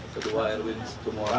kedua erwin tumorang